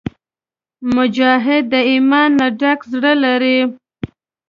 مجاهد د ایمان نه ډک زړه لري.